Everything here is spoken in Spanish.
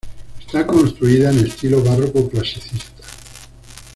Está construida en estilo barroco clasicista.